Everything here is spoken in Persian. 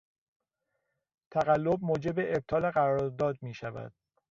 تقلب موجب ابطال قرارداد میشود.